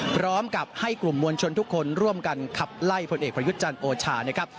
พร้อมกับให้กลุ่มมวลชนทุกคนร่วมกันขับไล่พลเอกประยุทธ์จันทร์โอชานะครับ